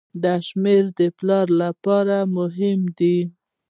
دا شمیرې د پلان لپاره مهمې دي.